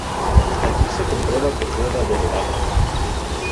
Allí se comprueba que fue dado de baja.